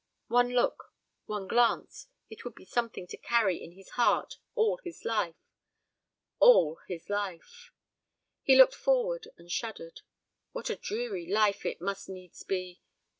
One look, one glance; it would be something to carry in his heart all his life. All his life! He looked forward and shuddered. What a dreary life it must needs be!